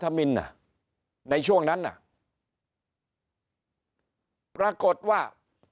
ภาธมิณในช่วงนั้นปรากฏว่า